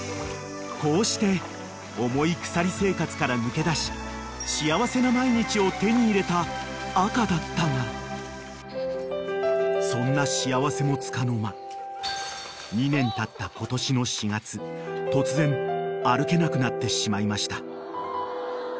［こうして重い鎖生活から抜け出し幸せな毎日を手に入れた赤だったがそんな幸せもつかの間２年たった今年の４月突然歩けなくなってしまいました］